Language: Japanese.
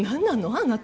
あなた。